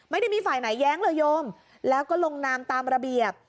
ไม่ได้มีฝ่ายไหนแย้งเลยโยมแล้วก็ลงนามตามระเบียบ